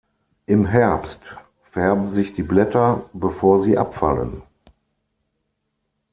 Im Herbst färben sich die Blätter, bevor sie abfallen.